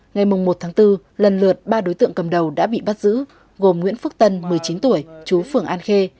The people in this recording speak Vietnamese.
ngày một bốn lần lượt ba đối tượng cầm đầu đã bị bắt giữ gồm nguyễn phước tân một mươi chín tuổi chú phường an khê